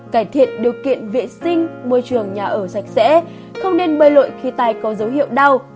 cải thiện điều kiện vệ sinh môi trường nhà ở sạch sẽ không nên bơi lội khi tài có dấu hiệu đau